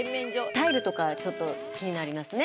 タイルとかちょっと気になりますね。